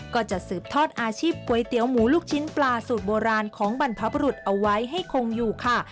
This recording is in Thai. ก็จะสืบทอดอาชีพก๋วยเตี๋ยวหมูลูกชิ้นปลาสูตรโบราณของบรรพบรุษเอาไว้ให้คงอยู่ค่ะ